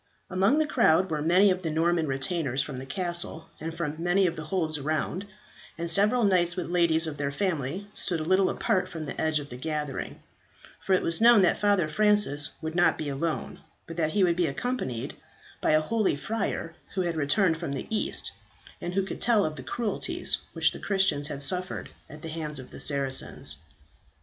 Among the crowd were many of the Norman retainers from the castle and from many of the holds around, and several knights with the ladies of their family stood a little apart from the edge of the gathering; for it was known that Father Francis would not be alone, but that he would be accompanied by a holy friar who had returned from the East, and who could tell of the cruelties which the Christians had suffered at the hands of the Saracens.